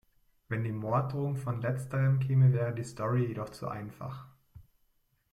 Wenn die Morddrohung von letzterem käme, wäre die Story jedoch zu einfach.